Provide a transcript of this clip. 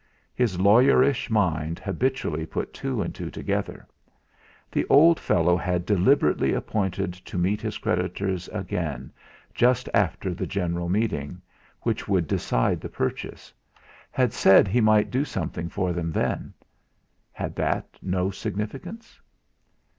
His lawyerish mind habitually put two and two together. The old fellow had deliberately appointed to meet his creditors again just after the general meeting which would decide the purchase had said he might do something for them then. Had that no significance?